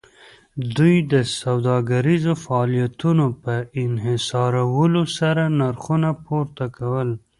دوی د سوداګریزو فعالیتونو په انحصارولو سره نرخونه پورته کول